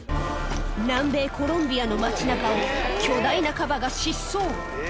南米コロンビアの街中を巨大なカバが疾走！